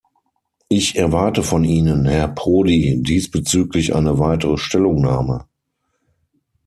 Ich erwarte von Ihnen, Herr Prodi, diesbezüglich eine weitere Stellungnahme.